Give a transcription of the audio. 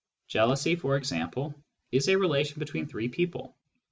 Jealousy, for example, is a relation between three people.